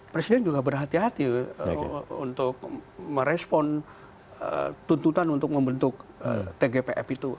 presiden juga berhati hati untuk merespon tuntutan untuk membentuk tgpf itu